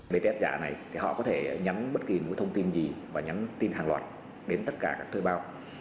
bts giả này thì họ có thể nhắn bất kỳ một thông tin gì và nhắn tin hàng loạt đến tất cả các thuê bao